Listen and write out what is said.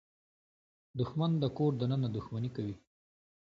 دښمن د کور دننه دښمني کوي